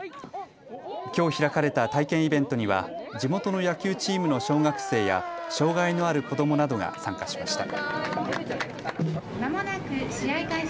きょう開かれた体験イベントには地元の野球チームの小学生や障害のある子どもなどが参加しました。